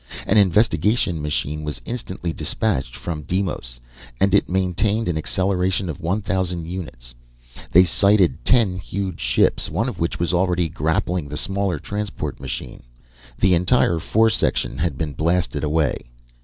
An investigation machine was instantly dispatched from Deimos, and it maintained an acceleration of one thousand units. They sighted ten huge ships, one of which was already grappling the smaller transport machine. The entire fore section had been blasted away.